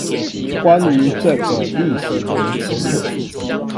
關於這個歷史名詞